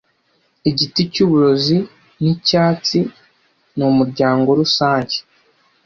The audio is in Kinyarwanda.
Igiti cyuburozi nicyatsi ni umuryango rusange